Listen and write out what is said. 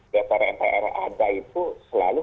dpr npr ada itu selalu